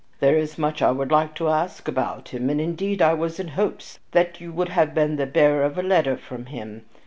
There is much I would like to ask about him, and, indeed, I was in hopes that you would have been the bearer of a letter from him.